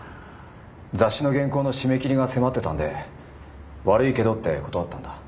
雑誌の原稿の締め切りが迫ってたんで悪いけどって断ったんだ。